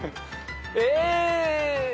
え！